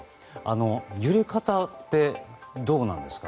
揺れ方ってどうなんですか。